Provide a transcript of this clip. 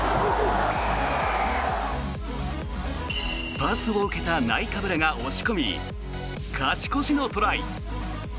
パスを受けたナイカブラが押し込み勝ち越しのトライ。